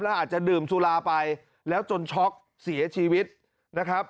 แล้วอาจจะดื่มสุราไปแล้วจนช็อกเสียชีวิตนะครับ